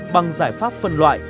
bằng giải pháp phân loại